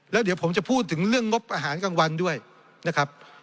แล้วเดี๋ยวผมจะพูดถึงเรื่องงบอาหารกลางวันด้วยนะครับ